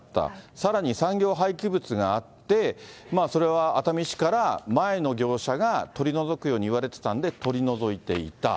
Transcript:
さらに産業廃棄物があって、それは熱海市から前の業者が取り除くように言われてたんで、取り除いていた。